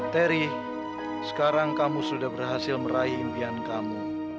terry sekarang kamu sudah berhasil meraih impian kamu